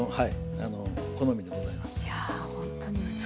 はい。